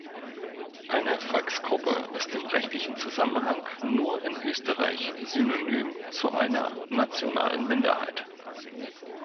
Eine "Volksgruppe" ist im rechtlichen Zusammenhang nur in Österreich synonym zu einer nationalen Minderheit.